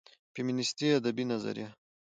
فيمينستى ادبى نظريه